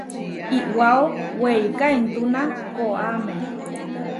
Iʼwáo weiká intúna koʼáme.